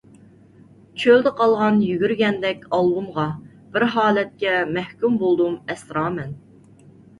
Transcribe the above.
چۆلدە قالغان يۈگۈرگەندەك ئالۋۇنغا، بىر ھالەتكە مەھكۇم بولدۇم، ئەسرامەن.